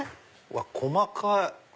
細かい！